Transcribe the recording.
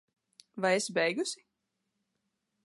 Vai esi beigusi?